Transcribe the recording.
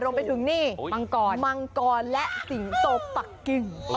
ล่องไปถึงนี้มังกรและสิงโต๊ะตักกิ่ง